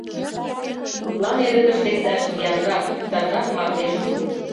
Тудлан эрыкыш лекташ виянрак, тӱтанрак мардеж кӱлын.